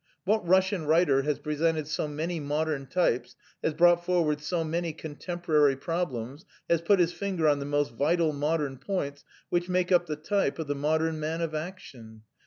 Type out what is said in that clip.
What Russian writer has presented so many modern types, has brought forward so many contemporary problems, has put his finger on the most vital modern points which make up the type of the modern man of action?